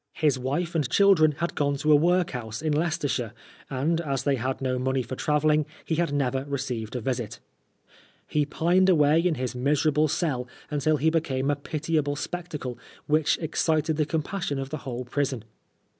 His wife and children had gone to a work PBISON LIFE. 135 house in Leicestershire, and as they had no money for travelling^ he had never received a visit He pined away in his miserable cell until he became a pitiable spectacle which excited the compassion of the whole prison.